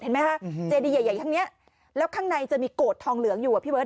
ไหมคะเจดีใหญ่ข้างเนี้ยแล้วข้างในจะมีโกรธทองเหลืองอยู่อ่ะพี่เบิร์